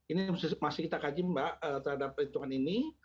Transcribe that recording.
ini masih kita kaji mbak terhadap perhitungan ini